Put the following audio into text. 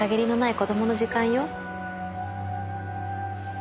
子供の時間？